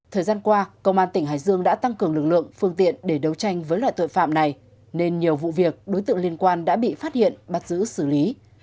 thời gian qua công an tỉnh hải dương đã tăng cường lực lượng phương tiện để đấu tranh với loại tội phạm này nên nhiều vụ việc đối tượng liên quan đã bị phát hiện bắt giữ xử lý